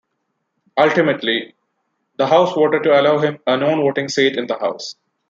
Ultimately, the House voted to allow him a non-voting seat in the House.